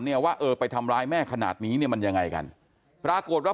ว่าเออไปทำร้ายแม่ขนาดนี้เนี่ยมันยังไงกันปรากฏว่า